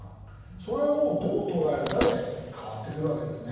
それをどう捉えるかで変わってくるわけですね。